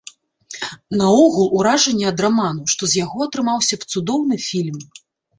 Наогул, уражанне ад раману, што з яго атрымаўся б цудоўны фільм.